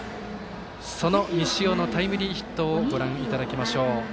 その西尾のタイムリーヒットをご覧いただきましょう。